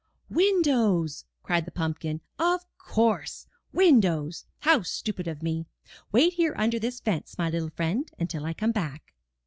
"Windows!" cried the pumpkin. "Of course, windows! How stupid of me! Wait here under this fence, my little friend, until I come back."